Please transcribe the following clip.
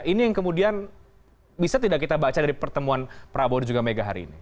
ini yang kemudian bisa tidak kita baca dari pertemuan prabowo dan juga mega hari ini